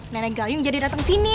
nenek gayung jadi datang sini